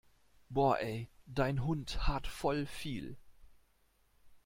Boah ey, dein Hund haart voll viel!